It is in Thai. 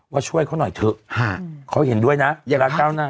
ช่วยเขาหน่อยเถอะเขาเห็นด้วยนะอย่ารักก้าวหน้า